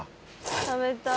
食べたい。